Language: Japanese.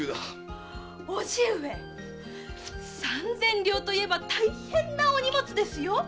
叔父上三千両と言えば大変なお荷物ですよ。